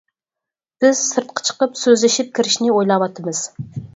بىز سىرتقا چىقىپ سۆزلىشىپ كىرىشنى ئويلاۋاتىمىز.